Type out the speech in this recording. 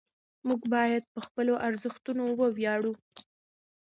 موږ باید په خپلو ارزښتونو ویاړو.